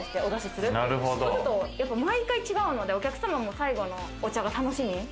すると毎回違うので、お客様も最後のお茶が楽しみ。